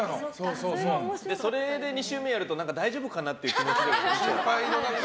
それで２週目やると大丈夫かな？っていう気持ちが。